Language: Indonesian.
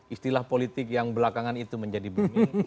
istilah politik yang belakangan itu menjadi booming